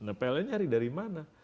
nah pln nyari dari mana